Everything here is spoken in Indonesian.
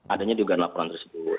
adanya dugaan laporan tersebut